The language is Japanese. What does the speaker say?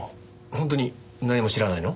本当に何も知らないの？